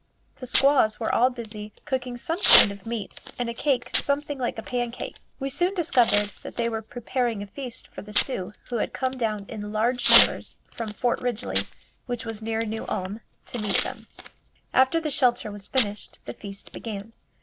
The squaws were all busy cooking some kind of meat and a cake something like a pancake. We soon discovered that they were preparing a feast for the Sioux who had come down in large numbers from Fort Ridgely which was near New Ulm to meet them. After the shelter was finished the feast began.